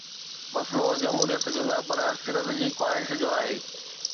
مسئلو جمهوريت جو نه پر اڪثريت جي خواهش جو آهي.